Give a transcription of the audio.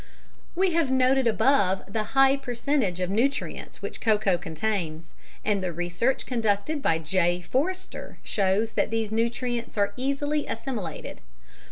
_ We have noted above the high percentage of nutrients which cocoa contains, and the research conducted by J. Forster shows that these nutrients are easily assimilated.